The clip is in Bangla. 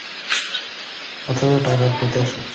অথচ টাকার প্রতি আসক্তি তাঁর অস্থিমজ্জায় জড়িত।